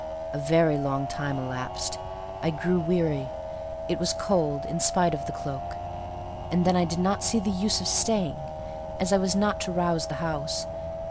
A very long time elapsed. I grew weary: it was cold, in spite of the cloak; and then I did not see the use of staying, as I was not to rouse the house.